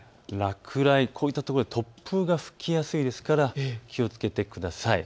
こういったところで突風が吹きやすいですから気をつけてください。